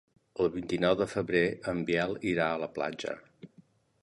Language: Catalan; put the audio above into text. El vint-i-nou de febrer en Biel irà a la platja.